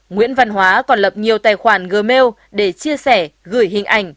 nguyễn văn hóa còn lập nhiều tài khoản gmail để chia sẻ gửi hình ảnh